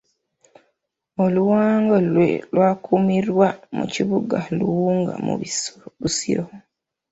Oluwanga lwe lwakuumirwa mu kibuga Luwunga mu Busiro.